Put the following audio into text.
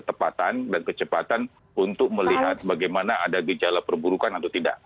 ketepatan dan kecepatan untuk melihat bagaimana ada gejala perburukan atau tidak